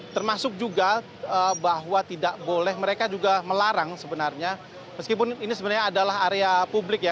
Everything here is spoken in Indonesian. termasuk juga bahwa tidak boleh mereka juga melarang sebenarnya meskipun ini sebenarnya adalah area publik ya